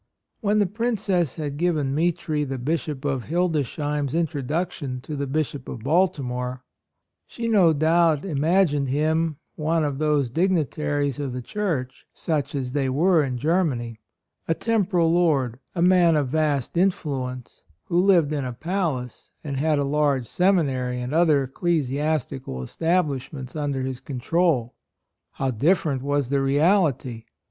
When the Princess had given AND MOTHER. 55 Mitri the Bishop of Hildesheim's introduction to the Bishop of Baltimore, she no doubt im agined him one of those dig nitaries of the Church, such as they were in Germany — a temporal lord, a man of vast influence, who lived in a palace and had a large seminary and other ecclesiastical establish ments under his control. How different was the reality!